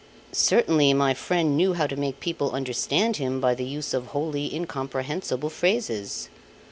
Certainly my friend knew how to make people understand him by the use of wholly incomprehensible phrases.